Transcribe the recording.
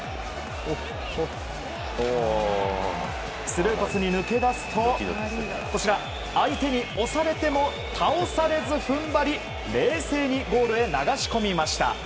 スルーパスに抜け出すとこちら、相手に押されても倒されず踏ん張り冷静にゴールへ流し込みました。